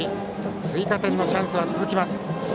追加点のチャンスは続きます。